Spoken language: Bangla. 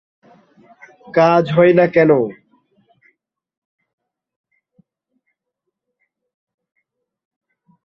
কেবল উপসর্গ নিয়ে টানাটানি করলে সমাধান পাওয়া যাবে না।